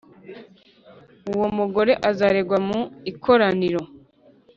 Uwo mugore azaregwa mu ikoraniro,